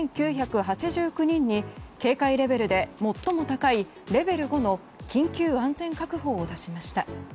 人に警戒レベルで最も高いレベル５の緊急安全確保を出しました。